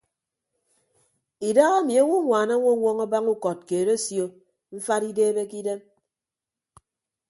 Idahaemi owoññwaan añwọñwọñ abañ ukọt keed asio mfat ideebe ke idem.